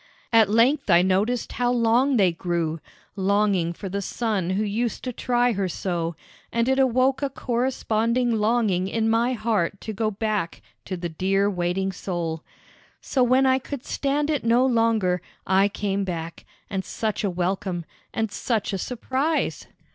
At length I noticed how long they grew, longing for the son who used to try her so, and it awoke a corresponding longing in my heart to go back to the clear waiting soul. So when I could stand it no longer, I came back, and such a welcome, and such a surprise!